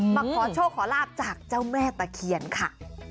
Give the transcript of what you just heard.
มาขอโชคขอลาบจากเจ้าแม่ตะเคียนค่ะ